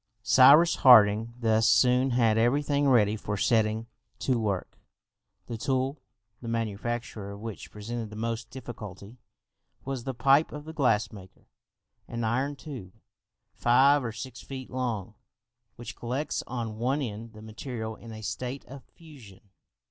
Cyrus Harding thus soon had every thing ready for setting to work. The tool, the manufacture of which presented the most difficulty, was the pipe of the glass maker, an iron tube, five or six feet long, which collects on one end the material in a state of fusion.